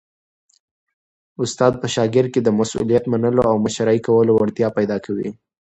استاد په شاګرد کي د مسؤلیت منلو او مشرۍ کولو وړتیا پیدا کوي.